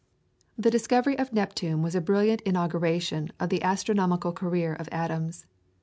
The discovery of Neptune was a brilliant inauguration of the astronomical career of Adams.